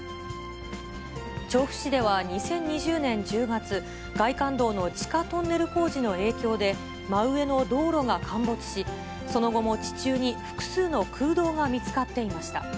調布市では２０２０年１０月、外環道の地下トンネル工事の影響で、真上の道路が陥没し、その後も地中に複数の空洞が見つかっていました。